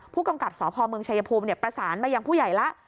ผู้กำกับสพเมืองชายภูมิประสานมายังผู้ใหญ่แล้ว